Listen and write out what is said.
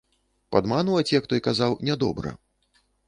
Падманваць, як той казаў, нядобра.